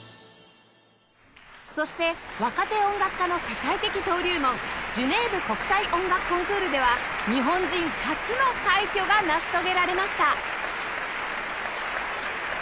そして若手音楽家の世界的登竜門ジュネーブ国際音楽コンクールでは日本人初の快挙が成し遂げられました